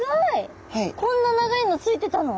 こんな長いのついてたの？